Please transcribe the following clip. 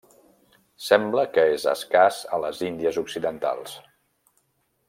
Sembla que és escàs a les Índies Occidentals.